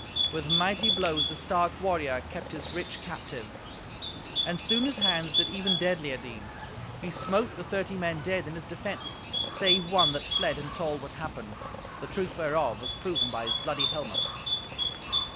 With mighty blows the stark warrior kept his rich captive; and soon his hands did even deadlier deeds. He smote the thirty men dead in his defence, save one that fled and told what happened, the truth whereof was proven by his bloody helmet.